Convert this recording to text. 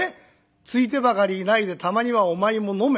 ついでばかりいないでたまにはお前も飲め？